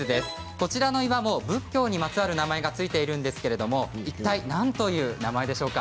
こちらの岩も仏教にまつわる名前が付いているのですがいったい何という名前でしょうか？